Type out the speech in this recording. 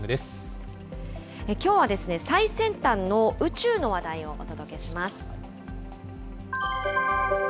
きょうは最先端の宇宙の話題をお届けします。